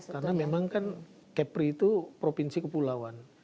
karena memang kan capri itu provinsi kepulauan